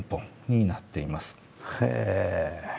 へえ。